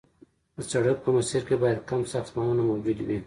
د سړک په مسیر کې باید کم ساختمانونه موجود وي